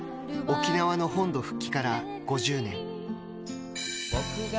沖縄の本土復帰から５０年。